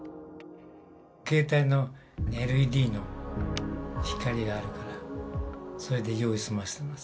携帯のＬＥＤの光があるから、それで用を済ませています。